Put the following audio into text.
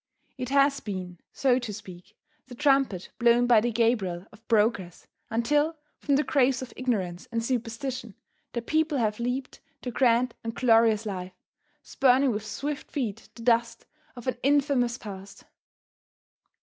It has been, so to speak, the trumpet blown by the Gabriel of Progress, until, from the graves of ignorance and superstition, the people have leaped to grand and glorious life, spurning with swift feet the dust of an infamous past.